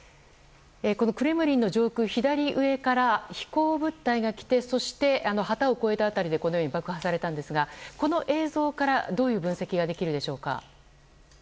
クレムリンの上空左上から飛行物体が来てそして、旗を超えた辺りで爆破されたんですがこの映像からどういう分析ができるでしょうか。